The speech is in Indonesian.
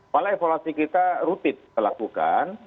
pala evaluasi kita rutin telah dilakukan